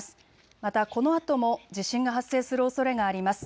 またこのあとも地震が発生するおそれがあります。